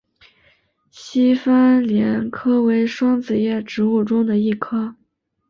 西番莲科为双子叶植物中的一科。